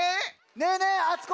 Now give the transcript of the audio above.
ねえねえあつこ